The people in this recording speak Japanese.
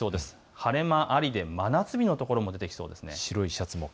晴れ間ありで真夏日のところも出てきそうです。